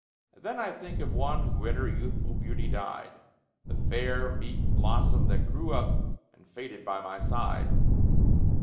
And then I think of one who in her youthful beauty died, The fair meek blossom that grew up and faded by my side.